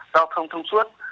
giao thông thông suốt